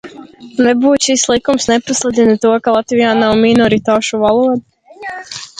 Nebūt šis likums nepasludina to, ka Latvijā nav minoritāšu valodu.